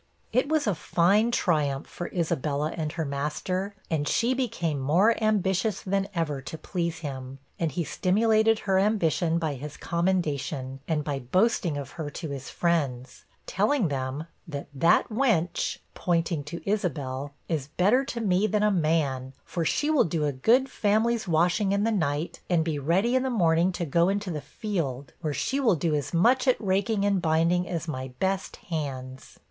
It was a fine triumph for Isabella and her master, and she became more ambitious than ever to please him; and he stimulated her ambition by his commendation, and by boasting of her to his friends, telling them that 'that wench' (pointing to Isabel) 'is better to me than a man for she will do a good family's washing in the night, and be ready in the morning to go into the field, where she will do as much at raking and binding as my best hands.'